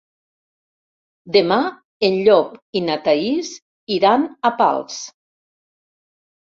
Demà en Llop i na Thaís iran a Pals.